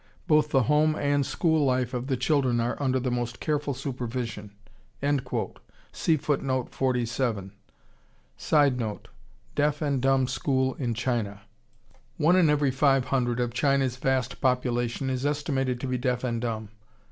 Both the home and school life of the children are under the most careful supervision." [Sidenote: Deaf and dumb school in China.] One in every five hundred of China's vast population is estimated to be deaf and dumb.